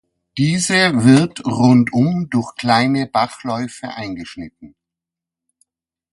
Diese wird rundum durch kleine Bachläufe eingeschnitten.